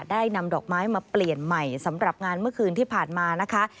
ได้นำดอกไม้มาเปลี่ยนใหม่สำหรับงานเมื่อคืนที่ผ่านมานะคะ